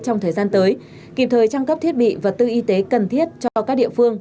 trong thời gian tới kịp thời trang cấp thiết bị vật tư y tế cần thiết cho các địa phương